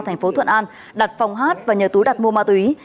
thành phố thuận an đặt phòng hát và nhờ tú đặt mua ma túy